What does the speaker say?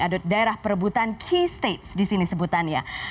ada daerah perebutan key states disini sebutannya